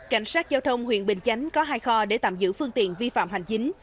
cảnh sát giao thông huyện bình chánh có hai kho để tạm giữ phương tiện vi phạm hành chính